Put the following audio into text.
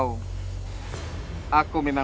aku memang punya banyak kelemahan